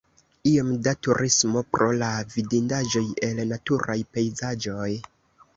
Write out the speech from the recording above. Iom da turismo pro la vidindaĵoj el naturaj pejzaĝoj.